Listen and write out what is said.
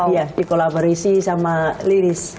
iya dikolaborasi sama liris